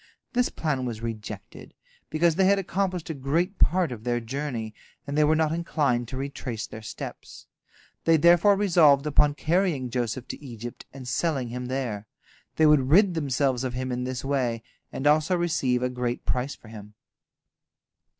This plan was rejected, because they had accomplished a great part of their journey, and they were not inclined to retrace their steps. They therefore resolved upon carrying Joseph to Egypt and selling him there. They would rid themselves of him in this way, and also receive a great price for him.